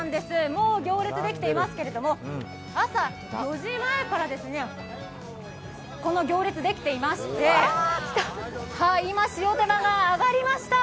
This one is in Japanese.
もう行列ができていますけれども朝５時前からこの行列、できていまして今、しおてばが揚がりました。